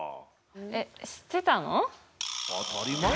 えっ知ってたの？